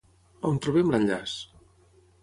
On trobem l'enllaç?